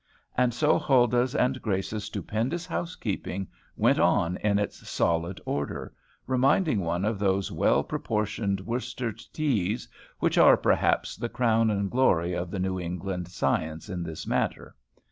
And so Huldah's and Grace's stupendous housekeeping went on in its solid order, reminding one of those well proportioned Worcester teas which are, perhaps, the crown and glory of the New England science in this matter.